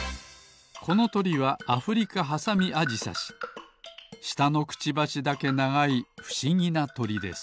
このとりはアフリカハサミアジサシしたのクチバシだけながいふしぎなとりです。